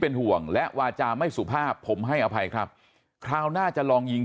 เป็นห่วงและวาจาไม่สุภาพผมให้อภัยครับคราวหน้าจะลองยิง